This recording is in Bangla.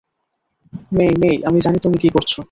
মেই-মেই, আমি জানি তুমি কি করছো।